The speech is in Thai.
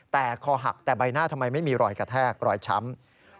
แต่คอหักแต่ใบหน้าทำไมไม่มีรอยกระแทกรอยช้ำ